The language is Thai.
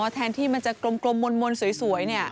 แทนที่มันจะกลมมนสวย